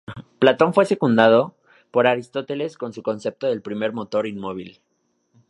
Platón fue secundado por Aristóteles con su concepto del Primer motor inmóvil.